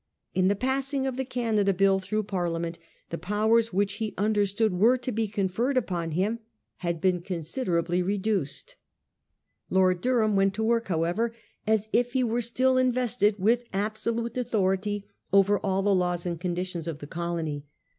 In the passing of the Canada Bill through Parliament the powers which he understood were to be conferred upon him had been considerably reduced. Lord 68 A HISTORY OF OUR OWN TIMES. cn. nr. Durham went to work, however, as if he were still invested with absolute authority over all the laws and conditions of the colony.